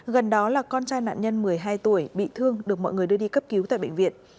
gần đó là con trai nạn nhân một mươi hai tuổi bị thương được mọi người đưa đi cấp cứu tại bệnh viện